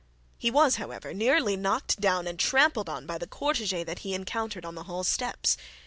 He was, however, nearly knocked down and trampled on by the cortege that he encountered on the hall steps.